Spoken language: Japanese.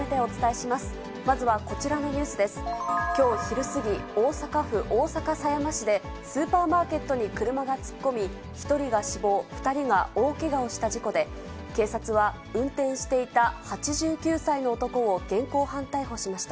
きょう昼過ぎ、大阪府大阪狭山市で、スーパーマーケットに車が突っ込み、１人が死亡、２人が大けがをした事故で、警察は、運転していた８９歳の男を現行犯逮捕しました。